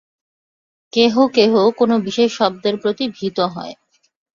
কেহ কেহ কোনো বিশেষ শব্দের প্রতি ভীত হয়।